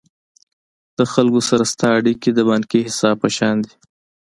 د خلکو سره ستا اړیکي د بانکي حساب په شان دي.